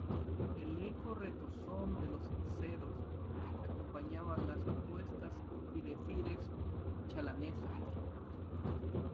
el eco retozón de los cencerros acompañaba las apuestas y decires chalanescos